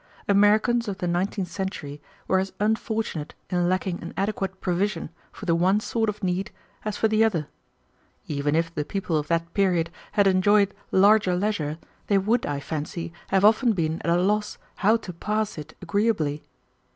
Americans of the nineteenth century were as unfortunate in lacking an adequate provision for the one sort of need as for the other. Even if the people of that period had enjoyed larger leisure, they would, I fancy, have often been at a loss how to pass it agreeably.